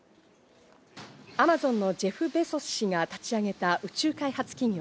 アマゾンのジェフ・ベゾス氏が立ち上げた宇宙開発企業